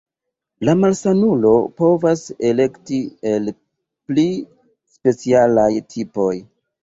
La malsanulo povas elekti el pli specialaj tipoj.